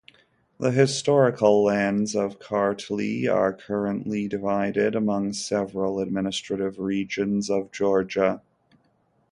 The historical lands of Kartli are currently divided among several administrative regions of Georgia.